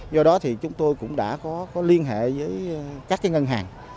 do đó thì chúng tôi cũng đã có liên hệ với các ngân hàng